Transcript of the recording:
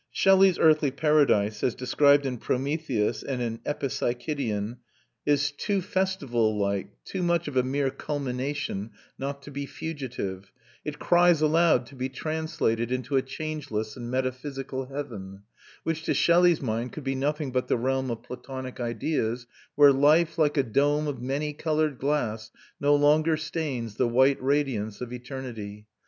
Shelley's earthly paradise, as described in Prometheus and in Epipsychidion, is too festival like> too much of a mere culmination, not to be fugitive: it cries aloud to be translated into a changeless and metaphysical heaven, which to Shelley's mind could be nothing but the realm of Platonic ideas, where "life, like a dome of many coloured glass," no longer "stains the white radiance of eternity."